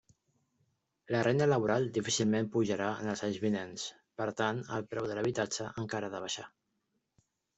La renda laboral difícilment pujarà en els anys vinents; per tant, el preu de l'habitatge encara ha de baixar.